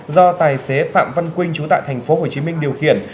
do tài xế phạm văn quynh trú tại tp hcm điều khiển